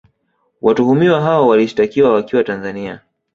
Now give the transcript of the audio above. Watuhumiwa hao walishitakiwa wakiwa Tanzania